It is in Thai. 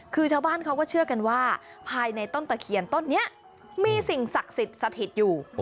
คือชาวบ้านเขาก็เชื่อกันว่าภายในต้นตะเคียนต้นนี้มีสิ่งศักดิ์สิทธิ์สถิตอยู่